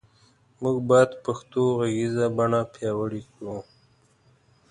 مونږ باد پښتو غږیزه بڼه پیاوړی کړو